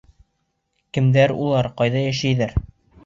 Кемдәр улар, ҡайҙа эшләйҙәр?